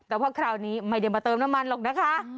แต่ว่าคราวนี้ไม่ได้มาเติมน้ำมันหรอกนะคะ